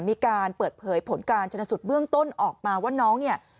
มีการเปิดเผยผลการชนสูตรเบื้องต้นออกมาว่าน้องเนี่ย